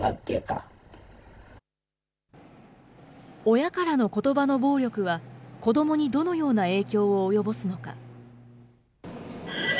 親からのことばの暴力は子どもにどのような影響を及ぼすのか。